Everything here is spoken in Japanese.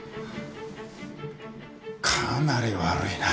かなり悪いな。